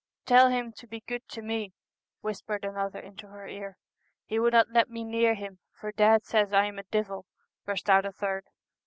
'Tell Him to be good to me,' 170 whispered another into her ear. ' He Our Lady r of the Hills, would not let me near Him, for dad says I am a divil,' burst out a third.